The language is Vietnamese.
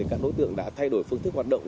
các đối tượng đã thay đổi phương thức hoạt động